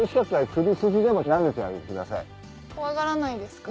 怖がらないですか？